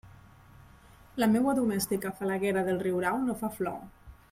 La meua domèstica falaguera del riurau no fa flor.